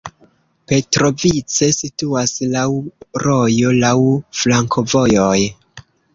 Petrovice situas laŭ rojo, laŭ flankovojoj.